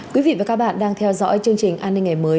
quý vị và các bạn đang theo dõi chương trình an ninh ngày mới